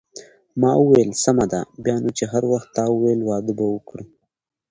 ما وویل: سمه ده، بیا نو چې هر وخت تا وویل واده به وکړو.